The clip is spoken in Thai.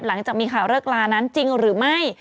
หลังจากมีข่าวเลิกลานั้นจริงหรือไม่